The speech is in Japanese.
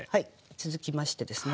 続きましてですね